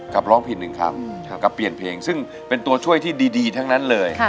ร้องผิดหนึ่งคำกับเปลี่ยนเพลงซึ่งเป็นตัวช่วยที่ดีทั้งนั้นเลย